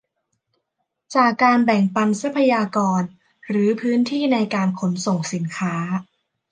จากการแบ่งปันทรัพยากรหรือพื้นที่ในการขนส่งสินค้า